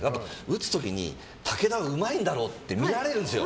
打つ時に武田はうまいんだろうって見られるんですよ。